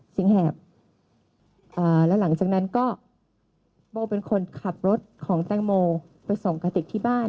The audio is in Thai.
แหบแล้วหลังจากนั้นก็โบเป็นคนขับรถของแตงโมไปส่งกระติกที่บ้าน